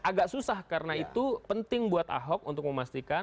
agak susah karena itu penting buat ahok untuk memastikan